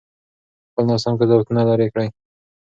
خپل ناسم قضاوتونه لرې کړئ.